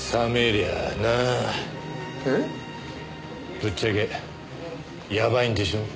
ぶっちゃけやばいんでしょ？